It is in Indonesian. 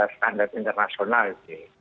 standar internasional itu